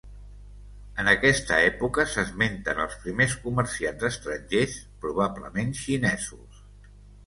En aquesta època s'esmenten els primers comerciants estrangers probablement xinesos.